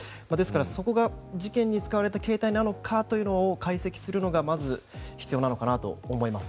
そこが事件に使われた携帯なのかというのを解析するのがまず必要なのかなと思います。